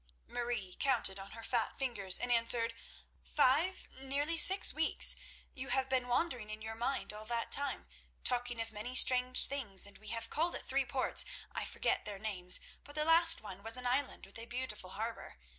Marie counted on her fat fingers, and answered: "Five—nearly six weeks. You have been wandering in your mind all that time, talking of many strange things, and we have called at three ports. I forget their names, but the last one was an island with a beautiful harbour.